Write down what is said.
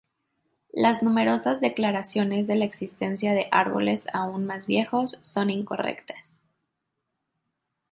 Las numerosas declaraciones de la existencia de árboles aún más viejos, son incorrectas.